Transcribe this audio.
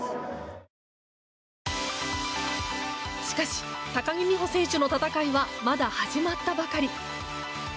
しかし高木美帆選手の戦いは、まだ始まったばかり。